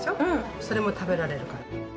それも食べられるから。